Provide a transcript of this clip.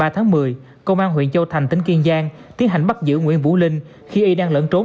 tuần công an huyện châu thành tỉnh kiên giang tiến hành bắt giữ nguyễn vũ linh khi y đang lẫn trốn